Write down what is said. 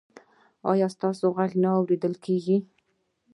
ایا ستاسو غږ نه اوریدل کیږي؟